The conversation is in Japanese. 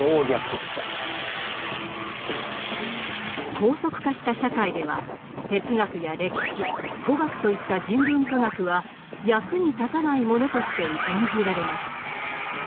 高速化した社会では哲学や歴史語学といった人文科学は役に立たないものとして疎んじられます。